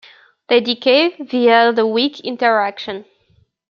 They decay via the weak interaction.